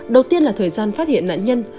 đầu tiên là thời gian phát hiện nạn nhân